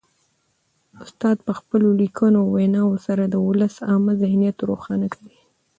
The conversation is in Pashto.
استاد په خپلو لیکنو او ویناوو سره د ولس عامه ذهنیت روښانه کوي.